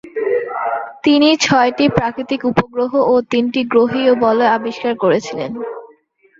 তিনি ছয়টি প্রাকৃতিক উপগ্রহ ও তিনটি গ্রহীয় বলয় আবিষ্কার করেছিলেন।